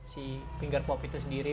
si pinger pop itu sendiri